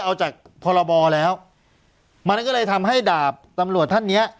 เอาจากพรบแล้วมันก็เลยทำให้ดาบตำรวจท่านเนี้ย